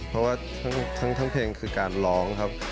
เพราะว่าทั้งเพลงคือการร้องครับ